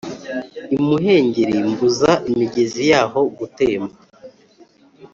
imuhengeri mbuza imigezi yaho gutemba